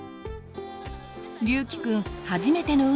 りゅうきくん初めての海。